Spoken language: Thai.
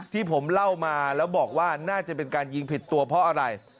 ที่ผมเล่ามาแล้วบอกว่าน่าจะเป็นการยิงผิดตัวเพราะอะไร